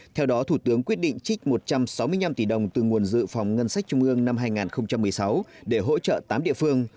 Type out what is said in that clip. theo đó thủ tướng quyết định trích một trăm sáu mươi năm tỷ đồng từ nguồn dự phòng ngân sách trung ương năm hai nghìn một mươi sáu để hỗ trợ tám địa phương